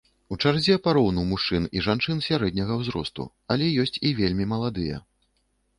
У чарзе пароўну мужчын і жанчын сярэдняга ўзросту, але ёсць і вельмі маладыя.